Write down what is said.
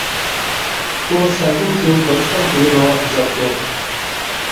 ئۇ سەلدىن كېيىن بىر تۇتام پۇلنى ماڭا ئۇزاتتى.